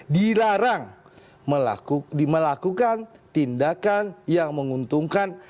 dilarang melakukan tindakan yang menguntungkan